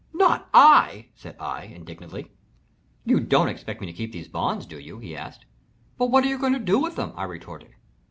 "Not I," said I, indignantly. "You don't expect me to keep these bonds, do you?" he asked. "But what are you going to do with them?" I retorted.